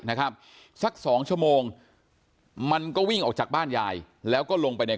นะครับสักสองชั่วโมงมันก็วิ่งออกจากบ้านยายแล้วก็ลงไปใน